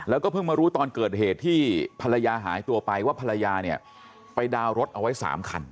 แล้วก็เพิ่งมารู้ตอนเกิดเหตุที่ภรรยาหายตัวไปว่าภรรยาเนี่ยไปดาวน์รถเอาไว้๓คัน